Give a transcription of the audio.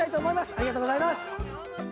ありがとうございます。